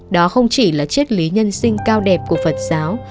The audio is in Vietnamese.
đó không chỉ là triết lý nhân sinh cao đẹp của phật giáo